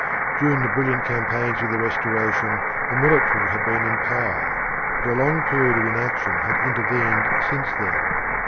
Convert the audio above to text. During the brilliant campaigns of the Restoration the military had been in power, but a long period of inaction had intervened since then.